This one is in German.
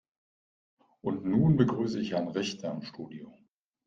Und nun begrüße ich Herrn Richter im Studio.